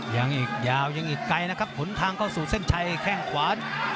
ยังอีกยาวยังอีกไกลนะครับผลทางเข้าสู่เส้นชัยแข้งขวา